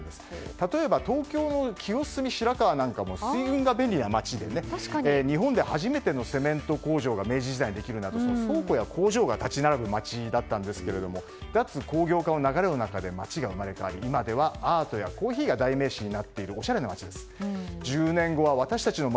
例えば東京の清澄白河も水運が便利な場所で日本で初めてのセメント工場が明治時代にできるなど倉庫や工場が立ち並ぶ街だったんですが脱工業化の流れの中で街が生まれ変わり今ではアートやコーヒーがここからは特別企画です。